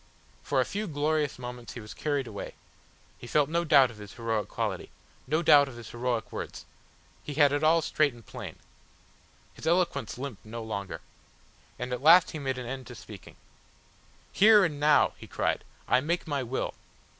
For a few glorious moments he was carried away; he felt no doubt of his heroic quality, no doubt of his heroic words, he had it all straight and plain. His eloquence limped no longer. And at last he made an end to speaking. "Here and now," he cried, "I make my will.